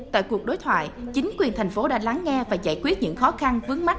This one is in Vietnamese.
tại cuộc đối thoại chính quyền thành phố đã lắng nghe và giải quyết những khó khăn vướng mắt